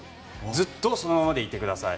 ずっとそのままでいてください。